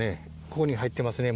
ここに入ってますね